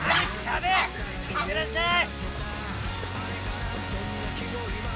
いってらっしゃい！